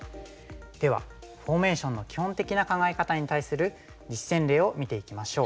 ではフォーメーションの基本的な考え方に対する実戦例を見ていきましょう。